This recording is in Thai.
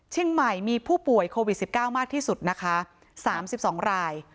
เชียงใหม่มีผู้ป่วยโควิด๑๙มากที่สุดนะคะ๓๒ราย